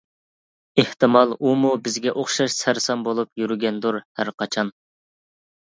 ئېھتىمال ئۇمۇ بىزگە ئوخشاش سەرسان بولۇپ يۈرگەندۇر ھەرقاچان.